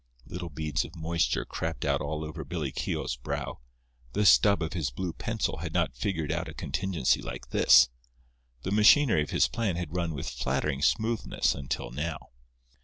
Little beads of moisture crept out all over Billy Keogh's brow. The stub of his blue pencil had not figured out a contingency like this. The machinery of his plan had run with flattering smoothness until now.